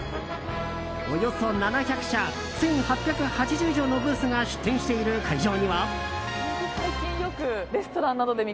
およそ７００社１８８０以上のブースが出展している会場には。